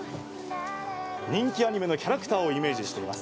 人気アニメのキャラクターをイメージしています。